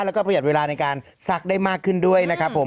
แล้วก็ประหยัดเวลาในการซักได้มากขึ้นด้วยนะครับผม